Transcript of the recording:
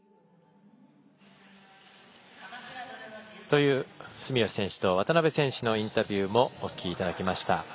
という住吉選手と渡辺選手のインタビューもお聞きいただきました。